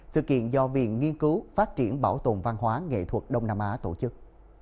sự kiện do viện nghiên cứu phát triển bảo tồn văn hóa nghệ thuật đông nam á tổ chức